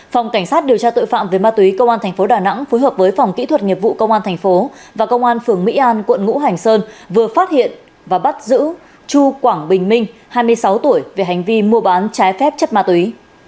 phòng cảnh sát điều tra tội phạm về ma túy công an tp đà nẵng phối hợp với phòng kỹ thuật nghiệp vụ công an thành phố và công an phường mỹ an quận ngũ hành sơn vừa phát hiện và bắt giữ chu quảng bình minh hai mươi sáu tuổi về hành vi mua bán trái phép chất ma túy